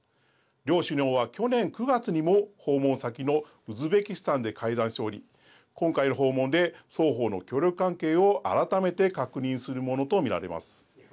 両首脳は去年９月にも訪問先のウズベキスタンで会談しており今回の訪問で双方の協力関係を改めて確認するものと見られます。